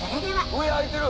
上開いてる！